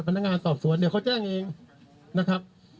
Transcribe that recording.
พนักงานสอบสวนเดี๋ยวเขาแจ้งเองนะครับ